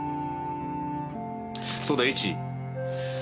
そうだイチ。